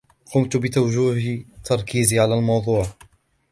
قمت بتوجيه تركيزي على الموضوع.